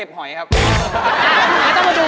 อุปกรณ์ทำสวนชนิดใดราคาถูกที่สุด